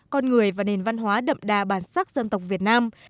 con người và nền văn hóa đậm đà bản sắc dân tộc việt nam